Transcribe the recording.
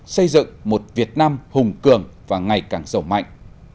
xây dựng một việt nam hùng cường và ngày càng sầu mạnh